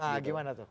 nah gimana tuh